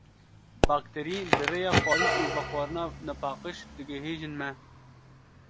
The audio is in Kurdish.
Bakterî bi rêya xwarin û vexwarina nepaqij digihêjin me.